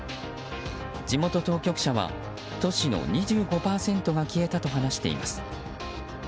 地元当局者は、都市の２５％が消えたと話しています。